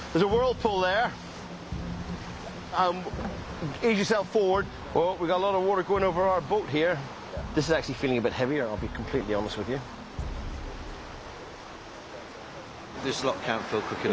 そうだな。